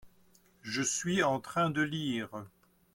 je suis en train de lire.